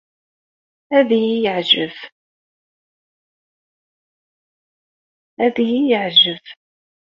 Ad iyi-yeɛjeb.